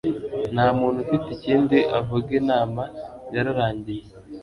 nta muntu ufite ikindi avuga, inama yararangiye